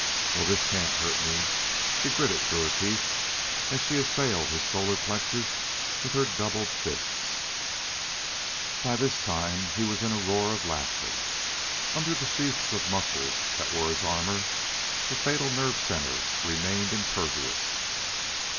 "Well, this can't hurt me," she gritted through her teeth, as she assailed his solar plexus with her doubled fists. By this time he was in a roar of laughter. Under the sheaths of muscles that were as armor, the fatal nerve center remained impervious.